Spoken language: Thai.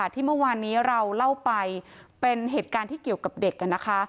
ที่เมื่อวานนี้เราเล่าไปเป็นเหตุการณ์ที่เกี่ยวกับเด็กนะคะ